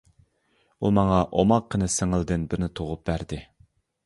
ئۇ ماڭا ئوماققىنە سىڭىلدىن بىرنى تۇغۇپ بەردى.